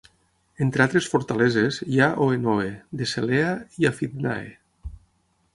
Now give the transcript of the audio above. Entre altres fortaleses, hi ha Oenoe, Decelea i Aphidnae.